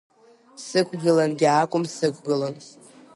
Сықәгылангьы акәым, сықәгылон.